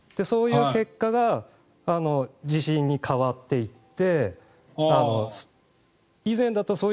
そういう結果が自信に変わっていって以前だと。